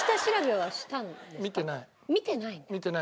見てない。